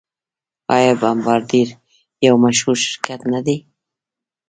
آیا بمبارډیر یو مشهور شرکت نه دی؟